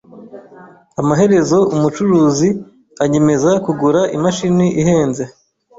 Amaherezo umucuruzi anyemeza kugura imashini ihenze.